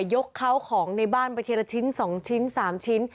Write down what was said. ยกเขาของในบ้านไปทีละชิ้น๒ชิ้น๓ชิ้น